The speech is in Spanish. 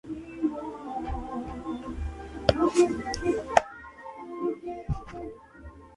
Próxima al inmueble se encuentra una necrópolis.